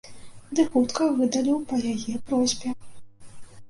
Ды хутка выдаліў па яе просьбе.